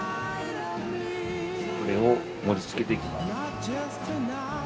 これを盛り付けていきます。